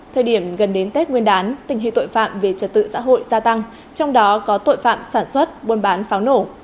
thời điểm gần đến tết nguyên đán tình hình tội phạm về trật tự xã hội gia tăng trong đó có tội phạm sản xuất buôn bán pháo nổ